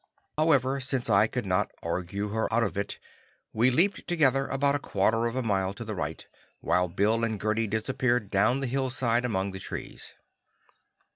However, since I could not argue her out of it, we leaped together about a quarter of a mile to the right, while Bill and Gerdi disappeared down the hillside among the trees.